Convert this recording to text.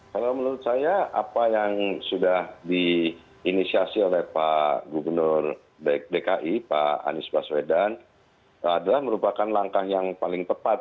kalau menurut saya apa yang sudah diinisiasi oleh pak gubernur dki pak anies baswedan adalah merupakan langkah yang paling tepat